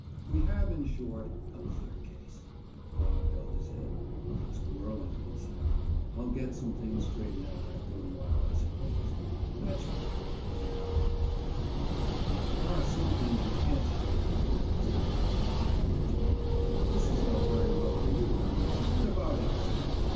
"We have, in short, a clear case." Bob held his head. "It's whirling," he said. "I'll get some things straightened out after a little, I suppose." "That's right," observed the monocle man. "There are some things you can't straighten out," said Dan in an ugly tone. "This is all very well for you, but what about us?"